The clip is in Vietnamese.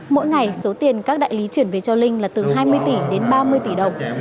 mỗi ngày số tiền các đại lý chuyển về cho linh là từ hai mươi tỷ đến ba mươi tỷ đồng